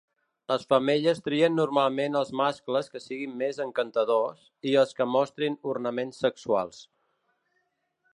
Les femelles trien normalment els mascles que siguin més 'encantadors' i els que mostrin ornaments sexuals.